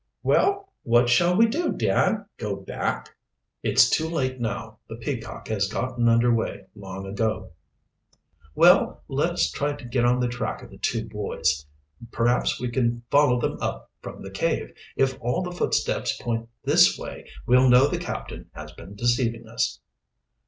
"Well, what shall we do, dad; go back?" "It's too late now. The Peacock has gotten under way long ago." "Well, let us try to get on the track of the two boys. Perhaps we can follow them up from the cave. If all of the footsteps point this way we'll know the captain has been deceiving us."